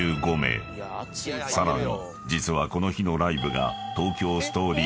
［さらに実はこの日のライブが］